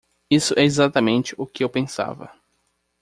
Isso é exatamente o que eu pensava.